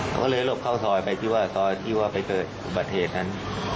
เขาก็เลยหลบเข้าถอยไปถอยที่ว่าไปเกิดบัตรเหตุนั้น